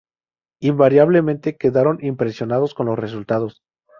Invariablemente, quedaron impresionados con los resultados.